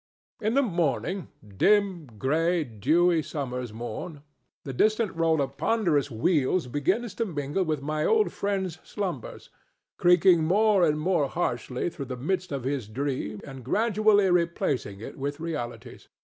In the morning—dim, gray, dewy summer's morn—the distant roll of ponderous wheels begins to mingle with my old friend's slumbers, creaking more and more harshly through the midst of his dream and gradually replacing it with realities.